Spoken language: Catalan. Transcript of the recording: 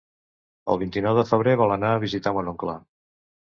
El vint-i-nou de febrer vol anar a visitar mon oncle.